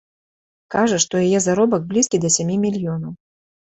Кажа, што яе заробак блізкі да сямі мільёнаў.